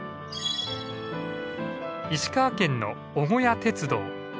石川県の尾小屋鉄道。